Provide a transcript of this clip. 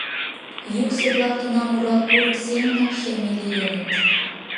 Йӱксӧ-влак тунам Урал курык семынак шеме лийыныт.